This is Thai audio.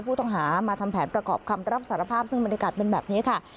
ผู้ต้องหามาทำแผนประกอบคำรับสารภาพซึ่งบรรยากาศเป็นแบบนี้ค่ะ